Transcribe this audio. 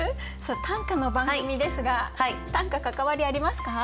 短歌の番組ですが短歌関わりありますか？